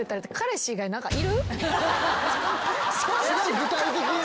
すごい具体的にね。